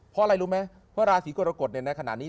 เพราะอะไรรู้ไหมเพราะราศรีกรกฎในนั้นขนาดนี้